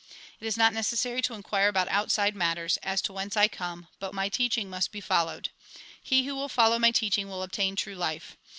It is not necessary to inquire about outside matters, as to whence I come ; but my teaching must be followed. He who will follow my teaching will obtain true life.